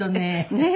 ねえ。